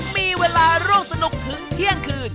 มีเวลาร่วมสนุกถึงเที่ยงคืน